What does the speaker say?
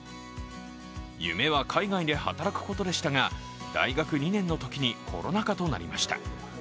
夢は海外で働くことでしたが大学２年のときにコロナ禍となりました。